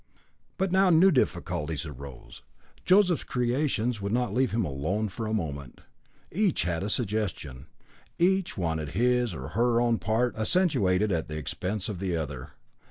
But now new difficulties arose. Joseph's creations would not leave him alone for a moment. Each had a suggestion, each wanted his or her own part accentuated at the expense of the other.